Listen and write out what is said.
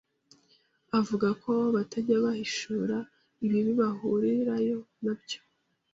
avuga ko batajya bahishura ibibi bahurirayo nabyo